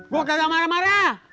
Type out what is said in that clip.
gue kagak marah marah